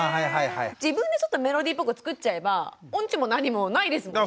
自分でちょっとメロディーっぽく作っちゃえば音痴も何もないですもんね。